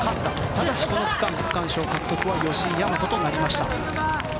ただ、この区間の区間賞獲得は吉居大和となりました。